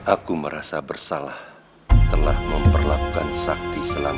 aku merasa bersalah telah memperlakukan sakti selama